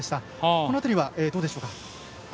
この辺りはどうでしょうか。